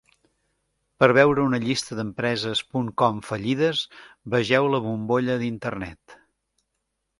Per veure una llista d'empreses "punt com" fallides, vegeu "La bombolla d'Internet".